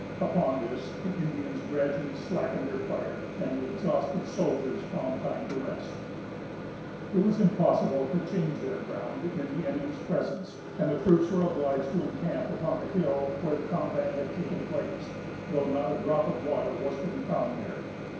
Upon this, the Indians gradually slackened their fire, and the exhausted soldiers found time to rest. It was impossible to change their ground in the enemy's presence, and the troops were obliged to encamp upon the hill where the combat had taken place, though not a drop of water was to be found there.